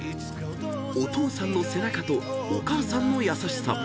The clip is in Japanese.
［お父さんの背中とお母さんの優しさ］